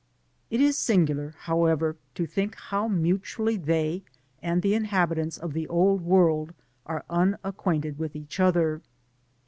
It is singular, however, to thihk how mutually they and the inhabitants erf the old world are utmcquainted with e^h other.